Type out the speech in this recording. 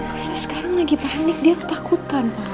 elsa sekarang lagi panik dia ketakutan pa